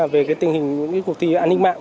về cái tình hình cuộc thi an ninh mạng